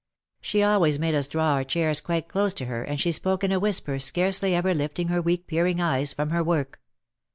She always made us draw our chairs quite close to her and she spoke in a whisper scarcely ever lifting her weak peering eyes from her work.